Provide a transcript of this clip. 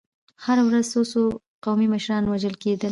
هره ورځ څو څو قومي مشران وژل کېدل.